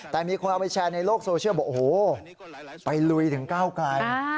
แต่มีคนเอาไปแชร์ในโลกโซเชียลบอกโอ้โหไปลุยถึงก้าวไกล